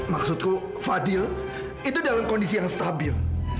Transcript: maksudku fadil itu dalam kondisi yang stabil